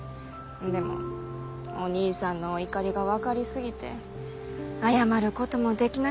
でもお義兄さんのお怒りが分かりすぎて謝ることもできなかったそうです。